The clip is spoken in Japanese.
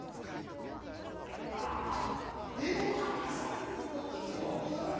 ああ手の離さるることではござらぬ。